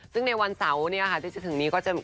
ซึ่งในวันเสาร์ที่จะถึงนี้ก็จะ